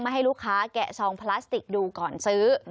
ให้ลูกค้าแกะซองพลาสติกดูก่อนซื้อ